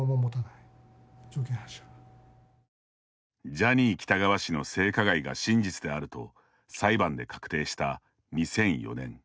ジャニー喜多川氏の性加害が真実であると裁判で確定した２００４年。